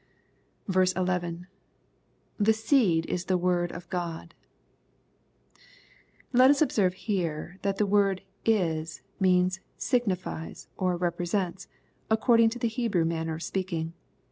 11. — [The seed is the word of God,] Let us observe here, that the word "is" means, "signifies," or "represents," according to the Hebrew manner of speaking.